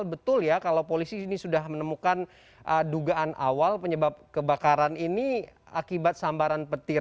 betul ya kalau polisi ini sudah menemukan dugaan awal penyebab kebakaran ini akibat sambaran petir